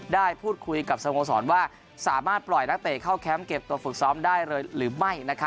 ได้พูดคุยกับสโมสรว่าสามารถปล่อยนักเตะเข้าแคมป์เก็บตัวฝึกซ้อมได้เลยหรือไม่